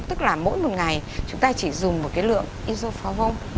tức là mỗi một ngày chúng ta chỉ dùng một cái lượng isofarvon